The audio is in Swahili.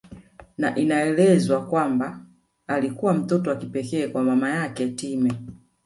Na inaelezwa kwamba alikuwa mtoto wa kipekee kwa mama yake Time